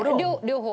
両方。